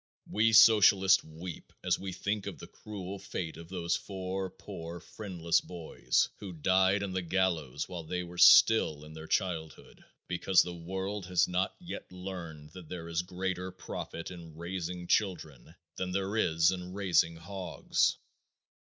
We socialists weep as we think of the cruel fate of those four poor, friendless boys who died on the gallows while they were still in their childhood, because the world has not yet learned that there is greater profit in raising children than there is in raising hogs.